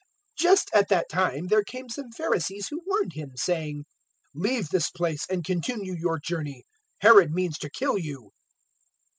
013:031 Just at that time there came some Pharisees who warned Him, saying, "Leave this place and continue your journey; Herod means to kill you."